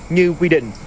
như quy định